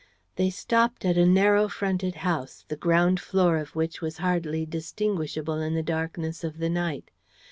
They stopped at a narrow fronted house, the ground floor of which was hardly distinguishable in the darkness of the night.